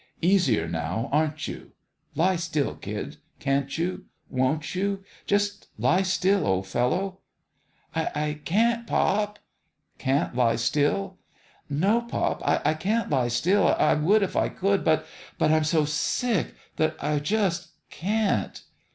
Easier now, aren't you ? Lie still, kid. Can't you won't you just lie still, old fellow ?"" I can't, pop." 11 Can't lie still ?" "No, pop. I can't lie still. I would if I could ; but but I'm so sick that I just can't.